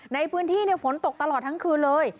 ในพื้นที่ฝนตกตลอดทั้งคืนเลย